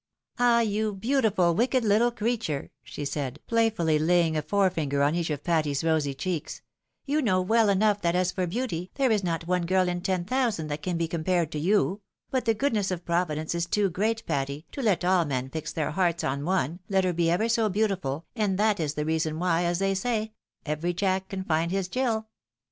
" Ah ! you beautiful wicked little creature," she said, play fully laying a forefinger on each of Patty's rosy cheeks ;" you know well enough that as for beauty, there is not one girl in ten thousand that can be compared to you ; but the goodness of Providence is too great, Patty, to let all men fix their hearts on one, let her be ever so beautiful, and that is the reason why, as they say, every Jack can find his Gill.